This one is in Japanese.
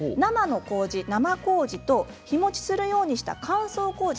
生こうじと日もちするようにした乾燥こうじ